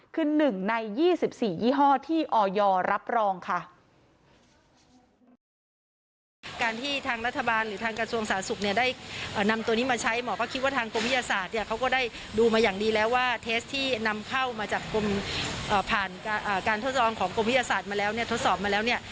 คือ๑ใน๒๔ยี่ห้อที่ออยรับรองค่ะ